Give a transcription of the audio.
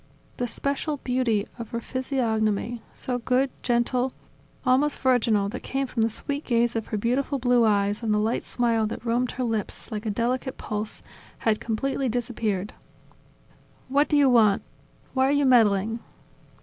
The special beauty of her physiognomy, so gentle, good, almost virginal, that came from the sweet gaze of her beautiful blue eyes and the light smile that roamed her lips, like a delicate pulse, had completely disappeared. "What do you want? Why are you meddling?"